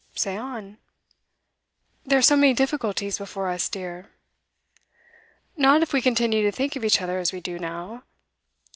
'Say on.' 'There are so many difficulties before us, dear.' 'Not if we continue to think of each other as we do now.